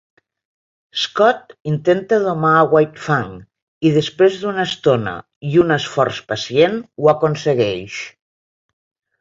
Scott intenta domar a White Fang, i després d'una estona i un esforç pacient ho aconsegueix.